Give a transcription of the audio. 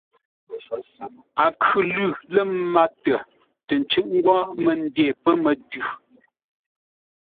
A khʉ̂ lʉ̂ lə́ mátə tə ncʉʼ́ ngwó mə́ ndê pə́ mətʉ̌.